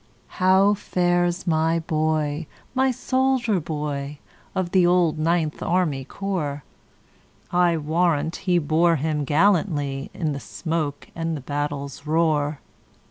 "How fares my boy,—my soldier boy, Of the old Ninth Army Corps?I warrant he bore him gallantlyIn the smoke and the battle's roar!"